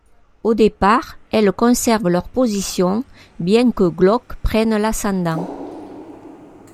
Au départ, elles conservent leurs positions bien que Glock prenne l'ascendant.